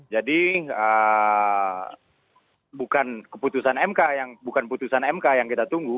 jadi bukan keputusan mk yang kita tunggu